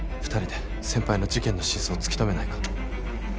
２人で先輩の事件の真相を突き止めないか。